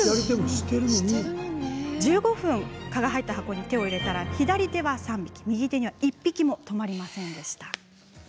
１５分、蚊が入った箱に手を入れたら左手は３匹止まったのに対して右手には１匹も止まりませんでした。